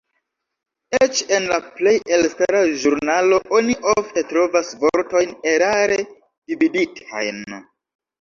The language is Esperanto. Eĉ en la plej elstara ĵurnalo oni ofte trovas vortojn erare dividitajn.